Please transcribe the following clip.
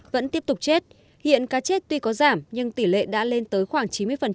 vẫn tiếp tục chết hiện cá chết tuy có giảm nhưng tỷ lệ đã lên tới khoảng chín mươi